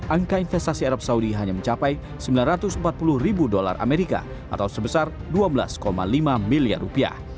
angka investasi arab saudi hanya mencapai sembilan ratus empat puluh ribu dolar amerika atau sebesar dua belas lima miliar rupiah